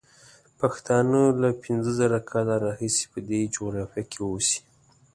پښتانه له پینځه زره کاله راهیسې په دې جغرافیه کې اوسي.